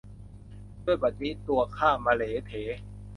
ด้วยบัดนี้ตัวข้ามะเหลเถ